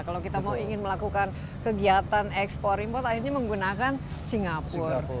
kalau kita mau ingin melakukan kegiatan ekspor import akhirnya menggunakan singapura